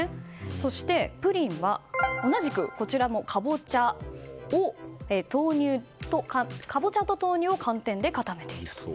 そしてプリンはこちらも同じくカボチャと豆乳を寒天で固めていると。